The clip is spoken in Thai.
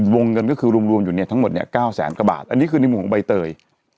วงเงินก็คือรวมอยู่เนี่ยทั้งหมดเนี่ย๙แสนกว่าบาทอันนี้คือในมุมของใบเตย